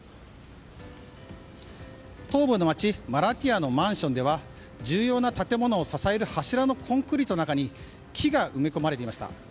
東部の街マラティヤのマンションでは重要な建物を支える柱のコンクリートの中に木が埋め込まれていました。